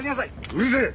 うるせえ！